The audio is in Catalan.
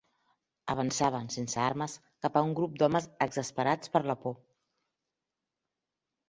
Avançaven, sense armes, cap a un grup d'homes exasperats per la por